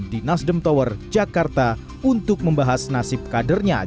di nasdem tower jakarta untuk membahas nasib kadernya